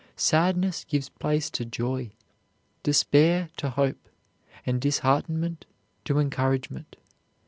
Sadness gives place to joy, despair to hope, and disheartenment to encouragement.